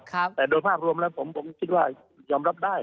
นะครับครับและโดยภาพรวมแล้วผมผมคิดว่ายอมรับได้